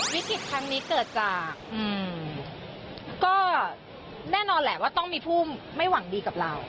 วิกฤตครั้งนี้เกิดจากก็แน่นอนแหละว่าต้องมีผู้ไม่หวังดีกับเรา